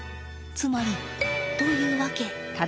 つまりというわけ。